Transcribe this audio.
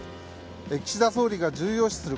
岸田総理が重要視する